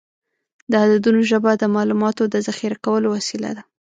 د عددونو ژبه د معلوماتو د ذخیره کولو وسیله ده.